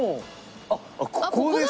あっここだ。